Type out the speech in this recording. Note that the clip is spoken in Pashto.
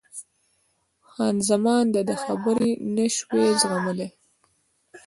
خان زمان د ده خبرې نه شوای زغملای.